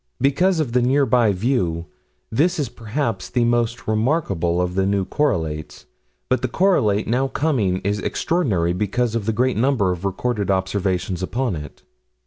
Because of the nearby view this is perhaps the most remarkable of the new correlates, but the correlate now coming is extraordinary because of the great number of recorded observations upon it.